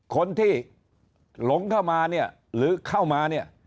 คนที่หลงเข้ามาเนี่ยหรือเข้ามาเนี่ย